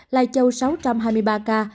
lai châu sáu hai mươi ba ca